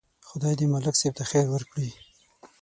خدای دې ملک صاحب ته خیر ورکړي.